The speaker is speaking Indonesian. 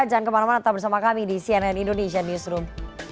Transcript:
jangan kemana mana tetap bersama kami di cnn indonesian newsroom